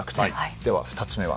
では２つ目は。